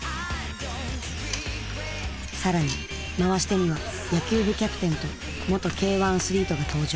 更に回し手には野球部キャプテンと元Ｋ‐１アスリートが登場。